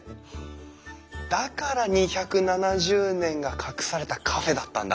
だから２７０年が隠されたカフェだったんだ。